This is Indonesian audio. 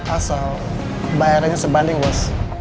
asal bayarnya sebanding bos